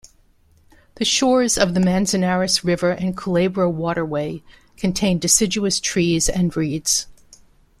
The shores of the Manzanares River and Culebro Waterway contain deciduous trees and reeds.